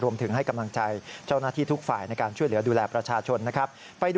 ให้กำลังใจเจ้าหน้าที่ทุกฝ่ายในการช่วยเหลือดูแลประชาชนนะครับ